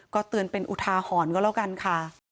ก็เตือนเป็นอุทาหรณ์ก็แล้วกันค่ะ